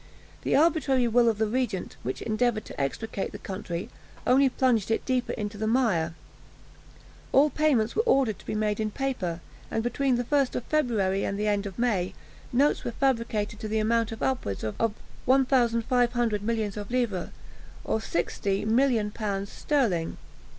The arbitrary will of the regent, which endeavoured to extricate the country, only plunged it deeper into the mire. All payments were ordered to be made in paper, and between the 1st of February and the end of May, notes were fabricated to the amount of upwards of 1500 millions of livres, or 60,000,000l. sterling.